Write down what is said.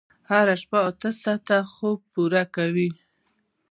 هره شپه اته ساعته خوب پوره کوئ.